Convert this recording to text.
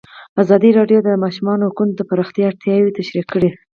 ازادي راډیو د د ماشومانو حقونه د پراختیا اړتیاوې تشریح کړي.